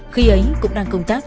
khi ấy cũng đang công tác